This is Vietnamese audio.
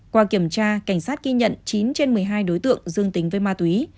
qua kiểm tra cảnh sát ghi nhận chín trên một mươi hai đối tượng dương tính với ma túy